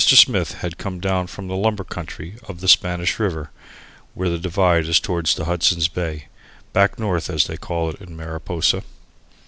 Smith had come down from the lumber country of the Spanish River, where the divide is toward the Hudson Bay, "back north" as they called it in Mariposa.